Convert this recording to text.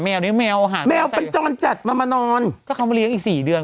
แมวค่ะแมวเป็นจรจัดมันมานอนก็เขามาเลี้ยงอีกสี่เดือน